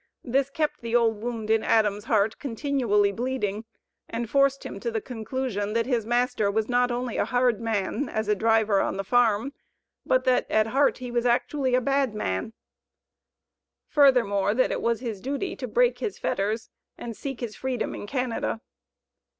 This kept the old wound in Adam's heart continually bleeding and forced him to the conclusion, that his master was not only a hard man, as a driver on the farm, but that at heart he was actually a bad man. Furthermore, that it was his duty to break his fetters and seek his freedom in Canada.